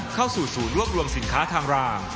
เข้าสู่ศูนย์รวบรวมสินค้าทางราง